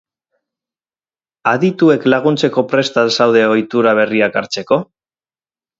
Adituek laguntzeko prest al zaude ohitura berriak hartzeko?